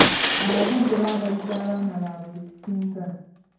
Abazadde baagaliza abaana baabwe ekisinga.